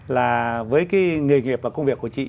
là với cái nghề nghiệp và công việc của chị